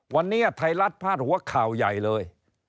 วันนี้ไทยรัฐพาดหัวข่าวใหญ่เลย